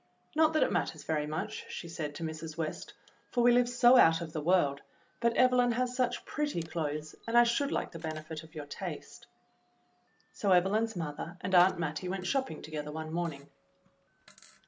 "Not that it matters very much," she said to Mrs. West, "for we live so out of the world, but Evelyn has such pretty clothes, and I should like the benefit of your taste." So Evelyn's mother and Aunt Mattie went shop ping together one morning.